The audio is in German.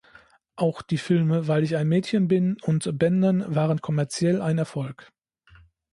Auch die Filme "Weil ich ein Mädchen bin" und "Abandon" waren kommerziell ein Erfolg.